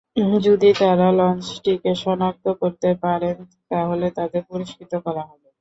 যদি তাঁরা লঞ্চটিকে শনাক্ত করতে পারেন, তাহলে তাঁদের পুরস্কৃত করা হবে।